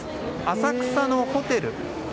浅草のホテル。